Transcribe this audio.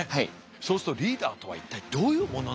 そうするとリーダーとは一体どういうものなのか。